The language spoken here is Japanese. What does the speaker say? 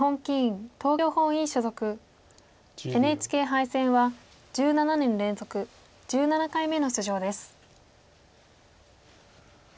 ＮＨＫ杯戦は１７年連続１７回目の出場です。